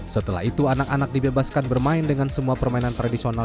setelah itu anak anak dibebaskan bermain dengan semua permainan tradisional